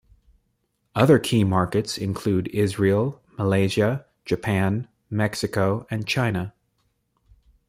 Other key markets include Israel, Malaysia, Japan, Mexico and China.